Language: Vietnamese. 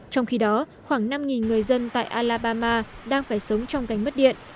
trong khi đó khoảng năm người dân tại alabama đang phải sống trong cảnh mất điện